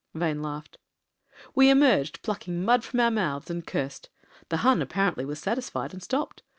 Vane laughed. "We emerged, plucking mud from our mouths, and cursed. The Hun apparently was satisfied and stopped.